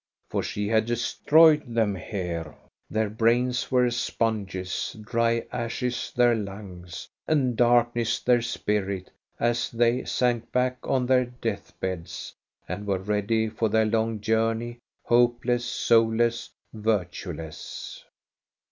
For she had destroyed them here. Their brains were as sponges, dry ashes their lungs, and darkness their spirit, as they sank back on their death beds and were ready for their long journey, hopeless, soulless, virtueless.